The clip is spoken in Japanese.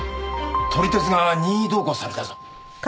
撮り鉄が任意同行されたぞ。